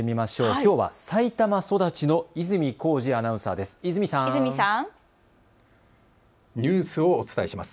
きょうは埼玉育ちの泉浩司アナウンサーです。